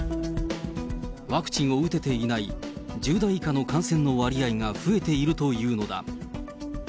ワクチンを打てていない１０代以下の感染の割合が増えているというのだ。